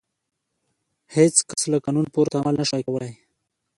هېڅ کس له قانون پورته عمل نه شوای کولای.